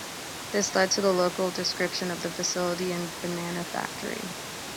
This led to the local description of the facility as the "Banana Factory".